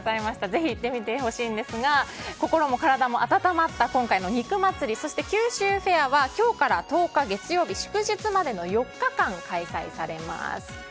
ぜひ行ってみてほしいですが心も体も温まった肉祭そして、九州フェアは今日から１０日月曜日祝日までの４日間開催されます。